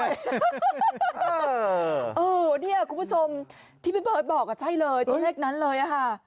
นี่คุณผู้ชมที่พี่เบิร์ตบอกใช่เลยตัวเลขนั้นเลยค่ะ